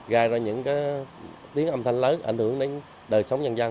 gai ra những tiếng âm thanh lớn ảnh hưởng đến đời sống nhân dân